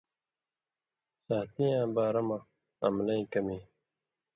صحتی یاں بارہ مہ علمَیں کمی۔